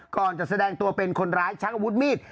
ก่อนจะแสดงตัวเป็นคนร้ายชักอาวุธมีด